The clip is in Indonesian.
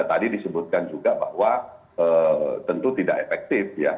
dan tadi disebutkan juga bahwa tentu tidak efektif ya